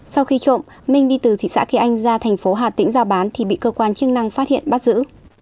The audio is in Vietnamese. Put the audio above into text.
sau khi trộm minh đi từ thị xã kỳ anh ra thành phố hà tĩnh giao bán thì bị cơ quan chức năng phát hiện bắt giữ